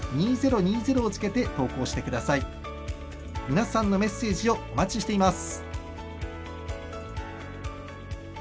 皆さんのメッセージをお待ちしています。